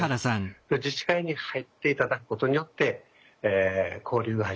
自治会に入って頂くことによって交流が始まる。